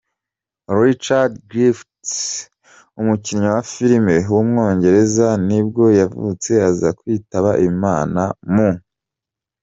Richard Griffiths, umukinnyi wa filime w’umwongereza, nibwo yavutse aza kwitaba Imana mu .